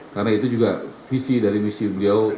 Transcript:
karena itu juga visi dari misi beliau